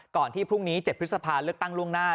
ที่พรุ่งนี้๗พฤษภาเลือกตั้งล่วงหน้า